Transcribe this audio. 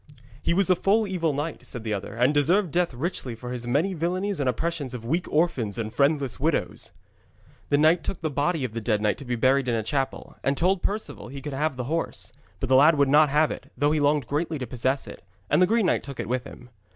'He was a full evil knight,' said the other, 'and deserved death richly for his many villainies and oppressions of weak orphans and friendless widows.' The knight took the body of the dead knight to be buried in a chapel, and told Perceval he could have the horse. But the lad would not have it, though he longed greatly to possess it, and the green knight took it with him.